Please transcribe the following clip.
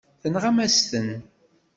Tenɣam-as-ten.